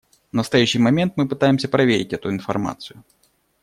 В настоящий момент мы пытаемся проверить эту информацию.